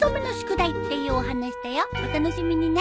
お楽しみにね。